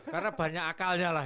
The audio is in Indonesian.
karena banyak akalnya lah